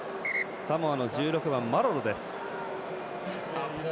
サモアの１６番マロロです。